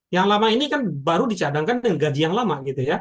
yang lama ini kan baru dicadangkan dengan gaji yang lama gitu ya